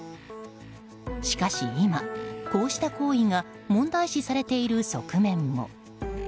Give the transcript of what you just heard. しかし今、こうした行為が問題視されている側面も。